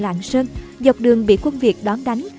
lạng sơn dọc đường bị quân việt đón đánh